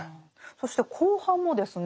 そして後半もですね。